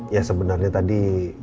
ya sebenarnya tadi